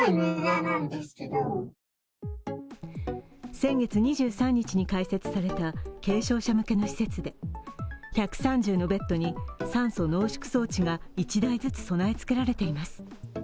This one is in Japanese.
先月２３日に開設された軽症者向けの施設で１３０のベッドに酸素濃縮装置が１台ずつ備えられています。